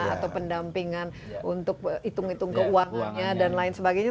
atau pendampingan untuk hitung hitung keuangannya dan lain sebagainya